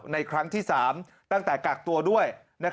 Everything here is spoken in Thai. ครั้งที่๓ตั้งแต่กักตัวด้วย